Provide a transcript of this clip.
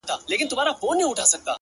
• چي کسات د ملالیو راته واخلي ,